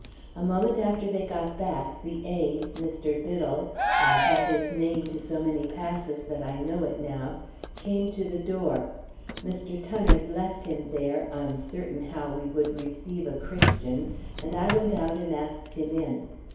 A moment after they got back, the aide, Mr. Biddle (I have his name to so many passes that I know it now), came to the door. Mr. Tunnard left him there, uncertain how we would receive a Christian, and I went out and asked him in.